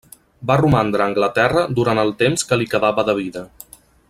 Va romandre a Anglaterra durant el temps que li quedava de vida.